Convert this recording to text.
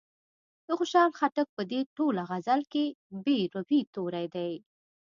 د خوشال خټک په دې ټوله غزل کې ب د روي توری دی.